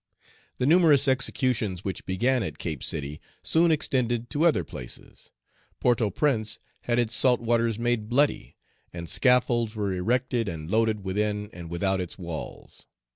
The numerous executions which began at Cape City soon extended to other places. Port au Prince had its salt waters made bloody, and scaffolds were erected and loaded within and without its walls.